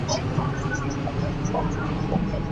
Abazadde bakanda kulaajanira gavumenti.